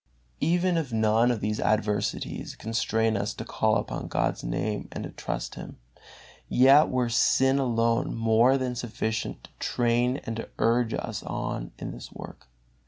Even if none of these adversities constrain us to call upon God's Name and to trust Him, yet were sin alone more than sufficient to train and to urge us on in this work.